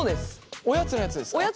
おやつのやつです。